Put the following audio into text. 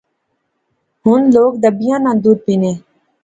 ہُن لوک ڈبیاں نا دُد پینے